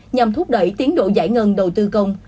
nhằm thúc đẩy tiến độ giải ngân đầu tư công